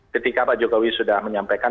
ketika pak jokowi sudah menyampaikan